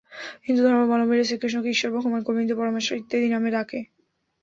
হিন্দু ধর্মাবলম্বীরা শ্রীকৃষ্ণকে ঈশ্বর, ভগবান, গোবিন্দ, পরমেশ্বর প্রভৃতি নামে অভিহিত করে।